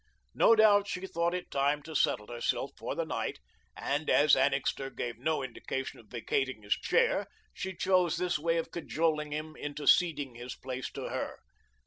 No doubt she thought it time to settle herself for the night, and as Annixter gave no indication of vacating his chair, she chose this way of cajoling him into ceding his place to her.